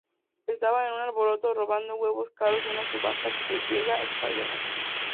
Estaban en un alboroto robando huevos caros de una subasta hasta que llega Spider-Man.